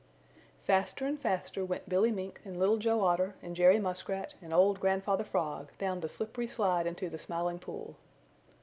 Faster and faster went Billy Mink and Little Joe Otter and Jerry Muskrat and old Grandfather Frog down the slippery slide into the Smiling Pool.